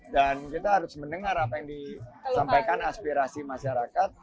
dan kita harus mendengar apa yang disampaikan aspirasi masyarakat